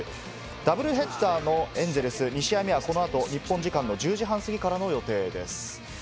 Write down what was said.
ダブルヘッダーのエンゼルス、２試合目はこのあと日本時間の１０時半過ぎからの予定です。